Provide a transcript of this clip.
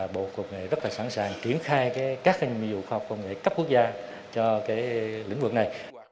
bộ cục nghệ rất sẵn sàng kiểm tra các nhiệm vụ khoa học công nghệ cấp quốc gia cho lĩnh vực này